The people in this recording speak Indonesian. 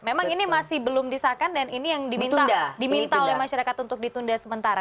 memang ini masih belum disahkan dan ini yang diminta oleh masyarakat untuk ditunda sementara